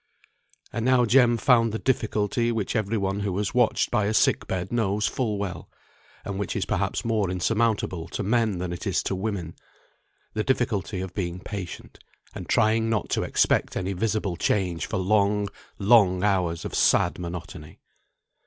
And now Jem found the difficulty which every one who has watched by a sick bed knows full well; and which is perhaps more insurmountable to men than it is to women, the difficulty of being patient, and trying not to expect any visible change for long, long hours of sad monotony.